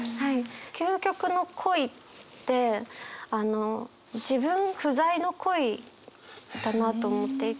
究極の恋って自分不在の恋だなと思っていて。